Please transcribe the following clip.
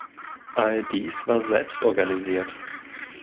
All dies war selbst organisiert.